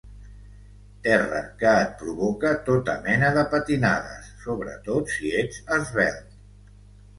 Terra que et provoca tota mena de patinades, sobretot si ets esvelt.